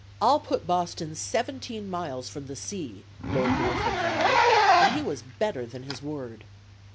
"I'll put Boston seventeen miles from the sea!" Lord North had vowed, and he was better than his word.